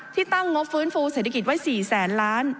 ตั้งงบฟื้นฟูเศรษฐกิจไว้๔แสนล้าน